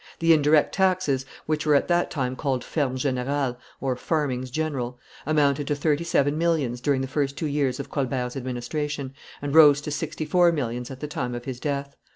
The indirect taxes, which were at that time called fermes generales (farmings general), amounted to thirty seven millions during the first two years of Colbert's administration, and rose to sixty four millions at the time of his death.